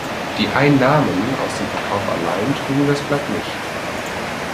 Die Einnahmen aus dem Verkauf allein trugen das Blatt nicht.